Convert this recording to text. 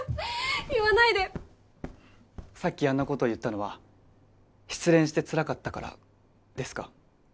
言わないでさっきあんなことを言ったのは失恋してつらかったからですか？